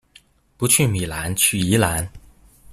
不去米蘭去宜蘭